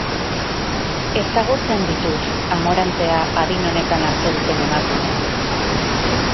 Ezagutzen ditut amorantea adin honetan hartu duten emakumeak.